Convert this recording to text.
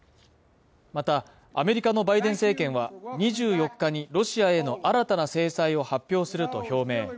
また、アメリカのバイデン政権は２４日にロシアへの新たな制裁を発表すると表明。